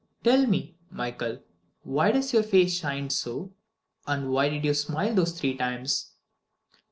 Tell me, Michael, why does your face shine so, and why did you smile those three times?"